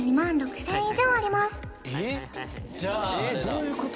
えっどういうこと？